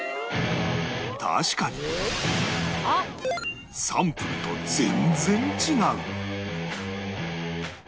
確かにサンプルと全然違う！